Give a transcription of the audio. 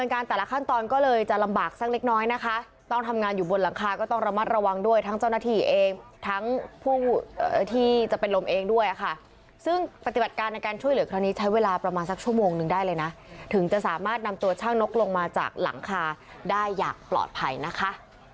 การช่วยเหลือเท่านี้ใช้เวลาประมาณสักชั่วโมงหนึ่งได้เลยนะถึงจะสามารถนำตัวช่างนกลงมาจากหลังคาได้อย่างปลอดภัยนะคะ